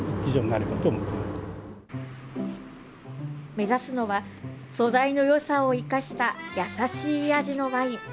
目指すのは、素材のよさを生かした優しい味のワイン。